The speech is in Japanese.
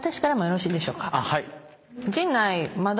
はい。